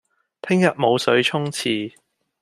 聽日冇水沖廁